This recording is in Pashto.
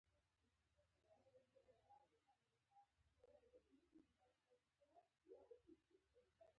ډېر وختونه به سهار او ځینې وختونه به غرمه مهال بېدېدم.